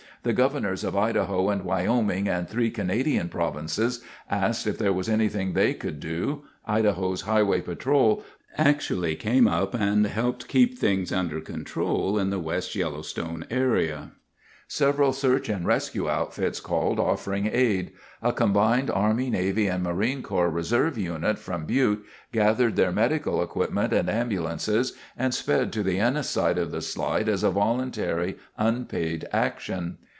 The governors of Idaho and Wyoming and three Canadian provinces asked if there was anything they could do. Idaho's highway patrol actually came up and helped keep things under control in the West Yellowstone area. [Illustration: CD garage and trucks.] Several search and rescue outfits called, offering aid. A combined Army, Navy and Marine Corps Reserve unit from Butte gathered their medical equipment and ambulances and sped to the Ennis side of the slide as a voluntary, unpaid action.